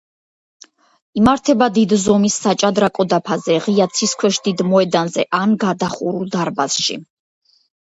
იმართება დიდ ზომის საჭადრაკო დაფაზე, ღია ცის ქვეშ დიდ მოედანზე ან გადახურულ დარბაზში.